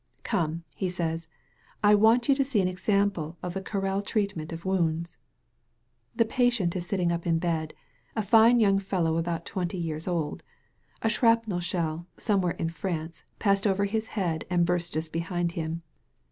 "Come," he says, "I want you to see an example of the Carrel treatment of wounds." The patient is sitting up in bed — ^a fine young fellow about twenty years old. A shrapnel shell, somewhere in France, passed over his head and burst just behind him.